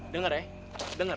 dengar ya dengar